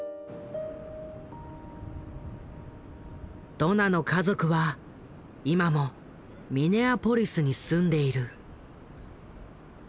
ドナの家族は今もミネアポリスに住んでいる。